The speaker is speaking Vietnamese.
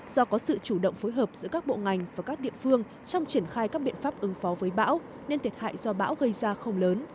do có sự chủ động phối hợp giữa các bộ ngành và các địa phương trong triển khai các biện pháp ứng phó với bão nên thiệt hại do bão gây ra không lớn